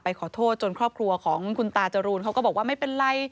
ขอโทษจนครอบครัวของคุณตาจรูนเขาก็บอกว่าไม่เป็นไร